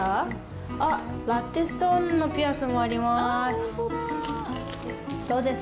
あっ、ラッテストーンのピアスもあります。